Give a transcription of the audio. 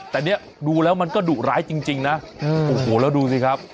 แต่เนี่ยดูแล้วมันก็ดุร้ายจริงนะโอ้โหแล้วดูสิครับ